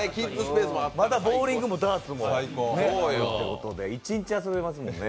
またボウリングもダーツもということで、一日遊べますんでね。